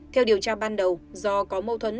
theo điều tra ban đầu do có mâu thuẫn